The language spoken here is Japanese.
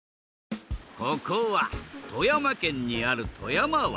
ここは富山県にある富山湾。